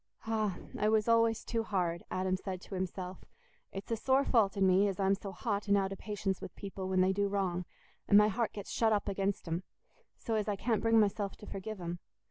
"Ah! I was always too hard," Adam said to himself. "It's a sore fault in me as I'm so hot and out o' patience with people when they do wrong, and my heart gets shut up against 'em, so as I can't bring myself to forgive 'em.